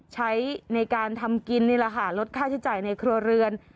ใช้ในการทำกินนี่แหละค่ะลดค่าใช้จ่ายในครัวเรือน